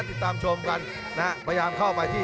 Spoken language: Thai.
ติดตามชมกันนะฮะพยายามเข้าไปที่